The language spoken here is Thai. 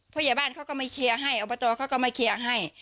พระยาบาลเขาก็ไม่เคลียร์ให้อบัตราเขาก็ไม่เคลียร์ให้